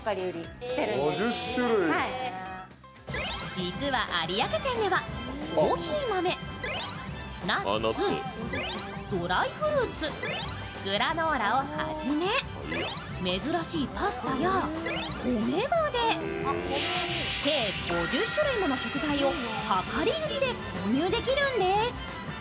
実は有明店ではコーヒー豆、ナッツ、ドライフルーツ、グラノーラをはじめ、珍しいパスタや米まで、計５３種類もの食材を量り売りで購入できるんです。